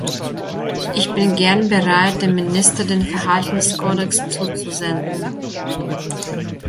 Ich bin gern bereit, dem Minister den Verhaltenskodex zuzusenden.